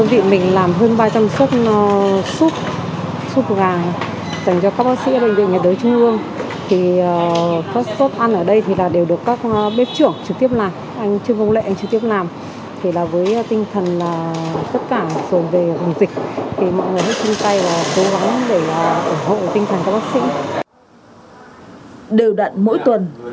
đều đặn mỗi tuần